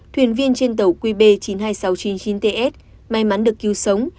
thuyền viên trên tàu qb chín mươi hai nghìn sáu trăm chín mươi chín ts may mắn được cứu sống